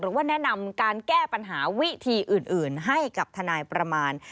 หรือว่าแนะนำการแก้ปัญหาวิธีอื่นให้กับทนายประมาณ